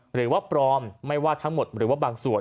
หรือว่าปลอมไม่ว่าทั้งหมดหรือว่าบางส่วน